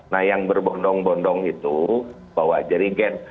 nah yang berbondong bondong itu bawa jerigen